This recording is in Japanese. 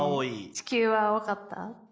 地球は青かった？